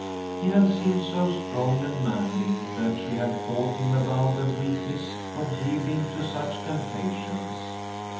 He had seemed so strong and manly that she had thought him above the weakness of yielding to such temptations.